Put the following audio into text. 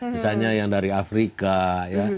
misalnya yang dari afrika ya